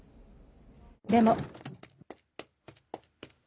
でも